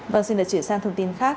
vâng xin được chuyển sang thông tin khác